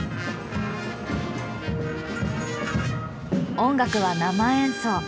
音楽は生演奏。